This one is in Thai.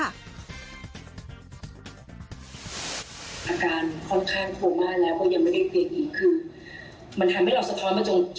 อาการค่อนข้างโทรมากแล้วก็ยังไม่ได้เปลี่ยนอีกคือ